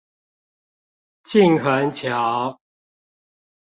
靳珩橋